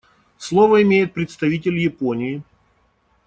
Слово имеет представитель Японии.